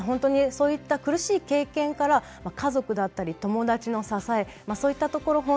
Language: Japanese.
そういった苦しい経験から家族だったり友達の支えそういったところ